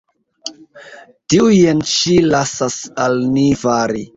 Tiujn ŝi lasas al ni fari.